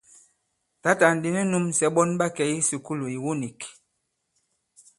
Tǎtà ndi nu nūmsɛ ɓɔn ɓa kɛ̀ i kisùkulù ìwu nīk.